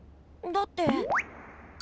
だって。